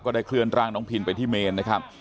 ได้เคลื่อนร่างน้องพินไปที่เมนนะครับ